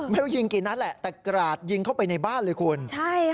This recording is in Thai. ไม่รู้ยิงกี่นัดแหละแต่กราดยิงเข้าไปในบ้านเลยคุณใช่ค่ะ